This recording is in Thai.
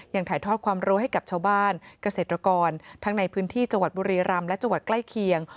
ถ่ายทอดความรู้ให้กับชาวบ้านเกษตรกรทั้งในพื้นที่จังหวัดบุรีรำและจังหวัดใกล้เคียง